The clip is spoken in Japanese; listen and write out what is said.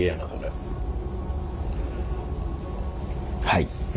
はい。